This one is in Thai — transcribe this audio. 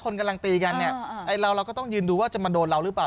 คนกำลังตีกันเนี่ยไอ้เราเราก็ต้องยืนดูว่าจะมาโดนเราหรือเปล่า